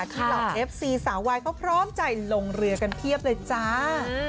เหล่าเอฟซีสาววายเขาพร้อมใจลงเรือกันเพียบเลยจ้า